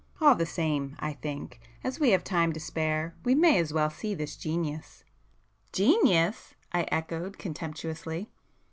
All the same, I think, as we have time to spare, we may as well see this genius." [p 222]"Genius!" I echoed contemptuously.